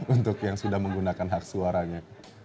untuk yang sudah menggunakan aksuaranya